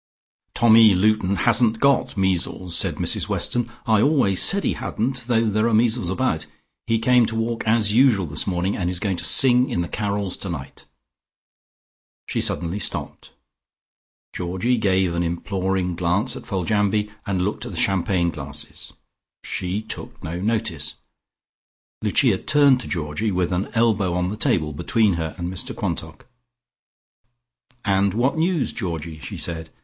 "Tommy Luton hasn't got measles," said Mrs Weston. "I always said he hadn't, though there are measles about. He came to work as usual this morning, and is going to sing in the carols tonight." She suddenly stopped. Georgie gave an imploring glance at Foljambe, and looked at the champagne glasses. She took no notice. Lucia turned to Georgie, with an elbow on the table between her and Mr Quantock. "And what news, Georgie?" she said.